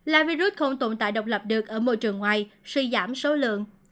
là virus không tồn tại độc lập được ở môi trường ngoài suy giảm số lượng